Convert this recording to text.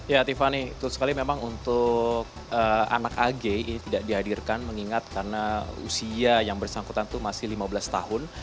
ya tiffany memang untuk anak ag ini tidak dihadirkan mengingat karena usia yang bersangkutan itu masih lima belas tahun